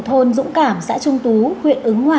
thôn dũng cảm xã trung tú huyện ứng hòa